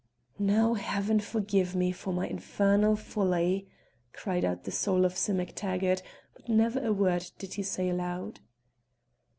"Now heaven forgive me for my infernal folly!" cried out the soul of Sim MacTaggart; but never a word did he say aloud.